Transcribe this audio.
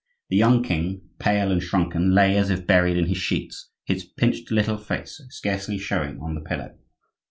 The young king, pale and shrunken, lay as if buried in his sheets, his pinched little face scarcely showing on the pillow.